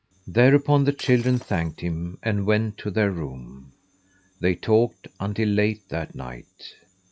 Thereupon the children thanked him and went to their room. They talked until late that night.